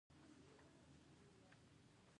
نانوا ډوډۍ پخوي.